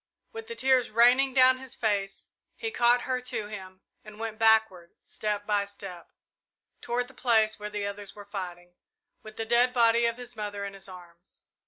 With the tears raining down his face he caught her to him, and went backward, step by step, toward the place where the others were fighting, with the dead body of his mother in his arms.